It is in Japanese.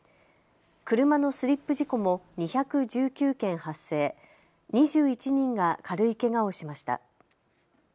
車のスリップ事故も２１９件発生、２１人が軽いけがをしました。